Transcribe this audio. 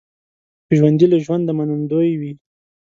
ژوندي له ژونده منندوی وي